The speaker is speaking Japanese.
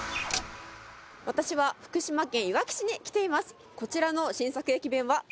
私は福島県いわき市に来ています。